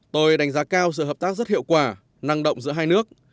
tôi đánh giá cao sự hợp tác rất hiệu quả năng động giữa hai nước